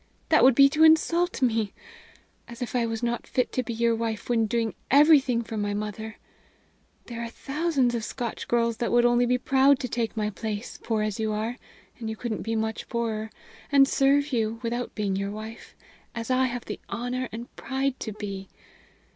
That would be to insult me! As if I was not fit to be your wife when doing everything for my mother! There are thousands of Scotch girls that would only be proud to take my place, poor as you are and you couldn't be much poorer and serve you, without being your wife, as I have the honor and pride to be!